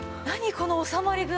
この収まり具合。